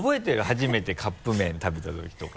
初めてカップ麺食べたときとか。